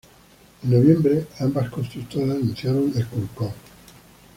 En noviembre, ambas constructoras anunciaron el "Concorde".